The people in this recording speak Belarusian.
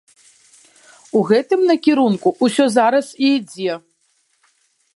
У гэтым накірунку ўсё зараз і ідзе.